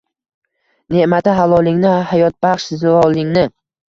Neʼmati halolingni, hayotbaxsh zilolingni